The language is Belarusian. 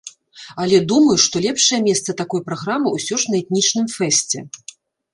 Але думаю, што лепшае месца такой праграмы ўсё ж на этнічным фэсце.